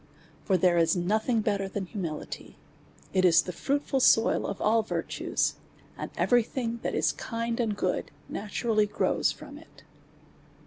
For there is nothing better than humility ; it is the fruitful soil of all virtues; and every thing that is kind and good naturally grows from it.